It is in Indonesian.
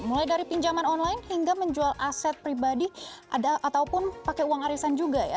mulai dari pinjaman online hingga menjual aset pribadi ataupun pakai uang arisan juga ya